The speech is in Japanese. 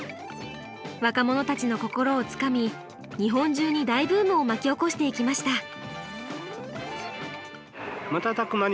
若者たちの心をつかみ日本中に大ブームを巻き起こしていきました。